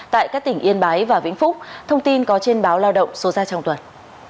tại các tỉnh yên bái và vĩnh phúc thông tin có trên báo lao động số ra trong tuần